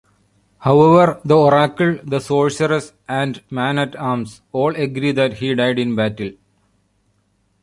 However, the Oracle, the Sorceress, and Man-At-Arms all agree that he died in battle.